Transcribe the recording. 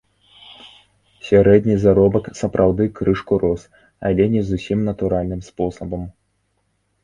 Сярэдні заробак сапраўды крышку рос, але не зусім натуральным спосабам.